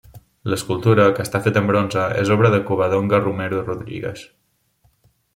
L'escultura, que està feta en bronze, és obra de Covadonga Romero Rodríguez.